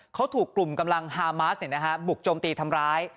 เขาถูกกลุ่มกำลังฮามัสเนี่ยนะฮะบุกโจมตีทำร้าย